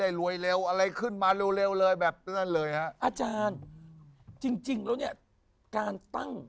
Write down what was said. คิกคิกคิกคิกคิกคิกคิกคิกคิกคิก